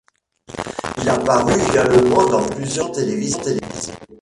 Il apparut également dans plusieurs émissions télévisées.